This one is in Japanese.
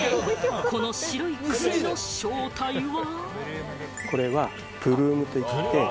この白いくすみの正体は。